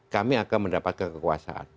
kami akan mendapatkan kekuasaan